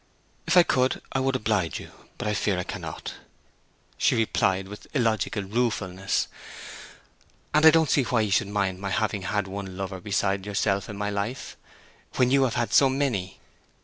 "If I could I would oblige you; but I fear I cannot!" she replied, with illogical ruefulness. "And I don't see why you should mind my having had one lover besides yourself in my life, when you have had so many."